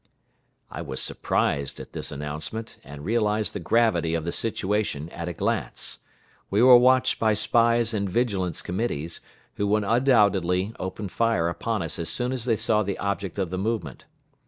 I was surprised at this announcement, and realized the gravity of the situation at a glance. We were watched by spies and vigilance committees, who would undoubtedly open fire upon us as soon as they saw the object of the movement.